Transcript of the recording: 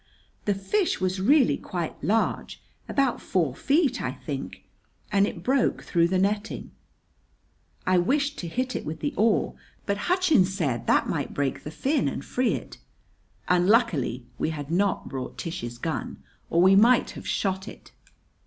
The fish was really quite large about four feet, I think and it broke through the netting. I wished to hit it with the oar, but Hutchins said that might break the fin and free it. Unluckily we had not brought Tish's gun, or we might have shot it.